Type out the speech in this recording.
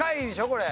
これ。